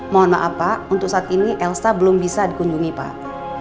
mohon maaf pak untuk saat ini elsa belum bisa dikunjungi pak